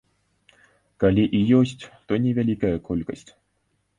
Калі і ёсць, то невялікая колькасць.